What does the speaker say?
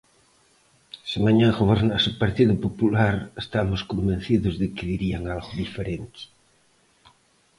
Se mañá gobernase o Partido Popular, estamos convencidos de que dirían algo diferente.